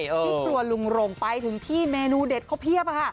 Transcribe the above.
ที่ครัวลุงรงไปถึงที่เมนูเด็ดเขาเพียบค่ะ